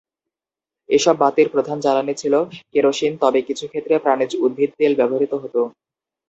এসব বাতির প্রধান জ্বালানী ছিল কেরোসিন তবে কিছু ক্ষেত্রে প্রাণীজ উদ্ভিদ তেল ব্যবহৃত হত।